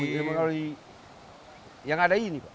untuk mengawali yang ada ini pak